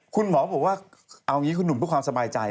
คุณหมอบอกว่าเอางี้คุณหนุ่มเพื่อความสบายใจ